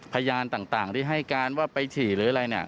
พยานต่างที่ให้การว่าไปฉี่หรืออะไรเนี่ย